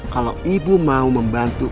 kalau ibu mau membantu